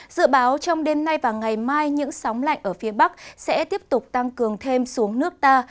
dự báo trong đêm nay và ngày mai những sóng lạnh ở phía bắc sẽ tiếp tục tăng cường thêm xuống nước ta